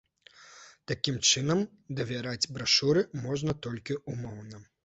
Такім чынам, давяраць брашуры можна толькі ўмоўна.